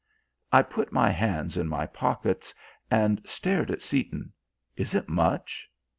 I put my hands in my pockets and stared at Seaton. "Is it much?"